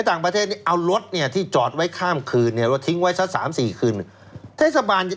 ในต่างประเทศเอารถที่จอดไว้ข้ามคืนทิ้งไว้สักสามสี่คืน